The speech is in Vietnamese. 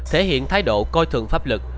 thể hiện thái độ coi thường pháp lực